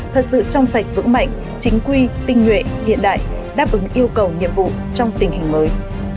thật sự trong sạch vững mạnh chính quy tinh nhuệ hiện đại đáp ứng yêu cầu nhiệm vụ trong tình hình mới